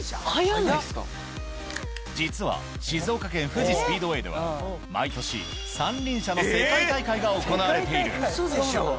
実は、静岡県富士スピードウェイでは、毎年、三輪車の世界大会が行われている。